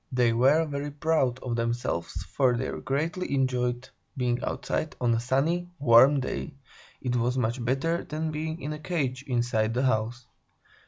They were very proud of themselves, for they greatly enjoyed being outside on a sunny, warm day; it was much better than being in a cage, inside the house.